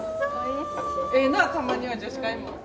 ええなたまには女子会も。